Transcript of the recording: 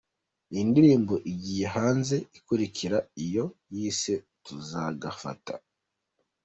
Iyi ndirimbo igiye hanze ikurikira iyo yise Tuzagafata.